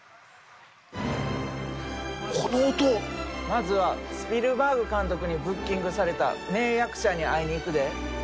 まずはスピルバーグ監督にブッキングされた名役者に会いに行くで。